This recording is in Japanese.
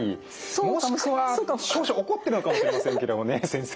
もしくは少々怒ってるのかもしれませんけどもね先生。